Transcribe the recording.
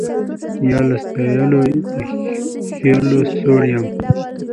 یا له ستایلو د ښکلیو سوړ یم